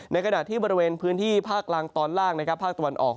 ในขณะที่บริเวณพื้นที่ภาคล่างตอนล่างภาคตะวันออก